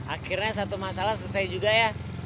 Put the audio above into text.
akhirnya satu masalah selesai juga ya